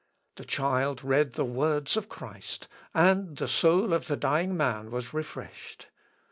The child read the words of Christ, and the soul of the dying man was refreshed.